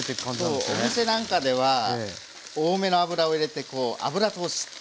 そうお店なんかでは多めの油を入れてこう油通し。